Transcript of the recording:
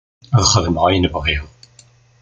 Ad xedmeɣ ayen bɣiɣ.